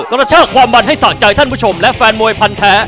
กระชากความมันให้สะใจท่านผู้ชมและแฟนมวยพันแท้